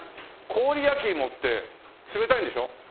氷やきいもって冷たいんでしょ？